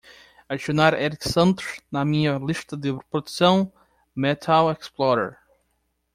adicionar erik santos na minha lista de reprodução Metal Xplorer